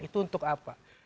itu untuk apa